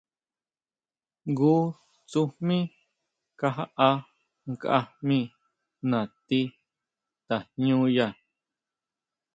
Jngu tsujmí kajaʼá nkʼa jmí nati tajñúya.